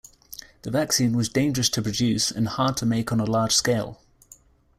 The vaccine was dangerous to produce and hard to make on a large scale.